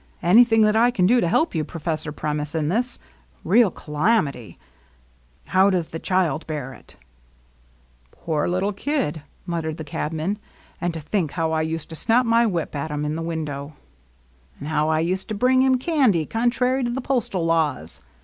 Anything that I can do to help you, Professor Premice, in this — real calamity — How does the child bear it ?"" Poor little kid !" muttered the cabman. " And to think how I used to snap my whip at 'em in the window 1 "^' An' how I used to bring him candy, contrary to the postal laws